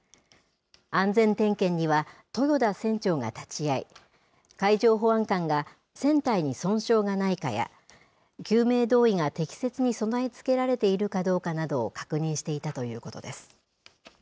安全点検には豊田船長が立ち会い、海上保安官が船体に損傷がないかや、救命胴衣が適切に備え付けられているかどうかなどを確認していたということです。